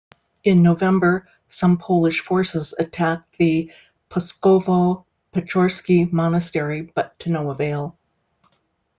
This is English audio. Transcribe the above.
In November some Polish forces attacked the Pskovo-Pechorsky Monastery, but to no avail.